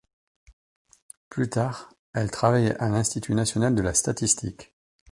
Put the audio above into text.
Plus tard, elle travaille à l'Institut national de la statistique.